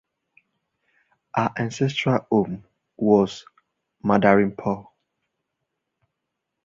Her ancestral home was Madaripur.